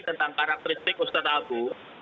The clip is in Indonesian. tentang karakteristik ustadz abu